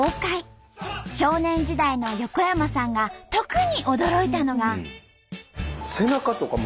少年時代の横山さんが特に驚いたのが。